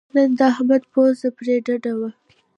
نن د احمد پوزه پرې ډډه وه.